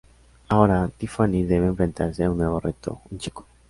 Ahora Tiffany debe enfrentarse a un nuevo reto, un chico.